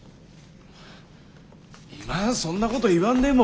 今そんなこと言わんでも。